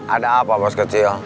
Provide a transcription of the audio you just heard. ada apa bos kecil